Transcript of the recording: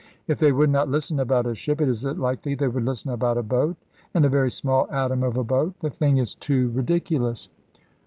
If they would not listen about a ship, is it likely they would listen about a boat? And a very small atom of a boat! The thing is too ridiculous."